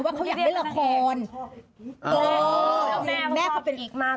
โหแม่เขาเป็นอีกมาก